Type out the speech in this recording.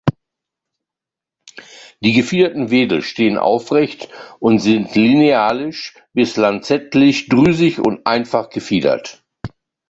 Die gefiederten Wedel stehen aufrecht und sind linealisch bis lanzettlich, drüsig und einfach gefiedert.